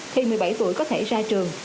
thì một mươi bảy tuổi có thể ra trường